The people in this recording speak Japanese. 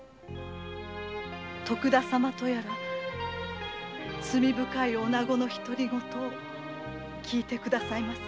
徳田様とやら罪深い女ごの独り言を聞いて下さいますか？